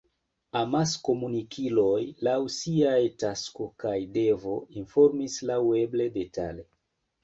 Amaskomunikiloj, laŭ siaj tasko kaj devo, informis laŭeble detale.